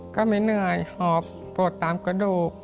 ก็ไม่เหนื่อยหอบปวดตามกระดูก